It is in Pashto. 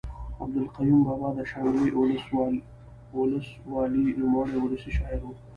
عبدالقیوم بابا د شانګلې اولس والۍ نوموړے اولسي شاعر ؤ